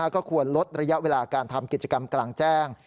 ก็ควรลดระยะเวลาการทำกิจกรรมกลางแจ้ง